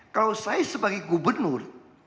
kalau saya sebagai gubernur